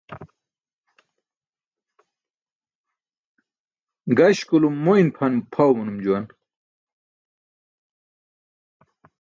Gaśkulum moyn pʰaw manum juwan.